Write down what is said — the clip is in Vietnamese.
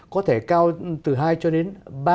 có thể cao từ hai cho đến ba